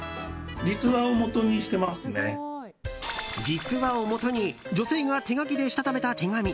実話をもとに女性が手書きでしたためた手紙。